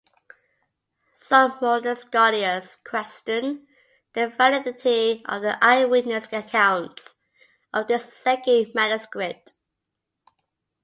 Some modern scholars question the validity of the eyewitness accounts of this second manuscript.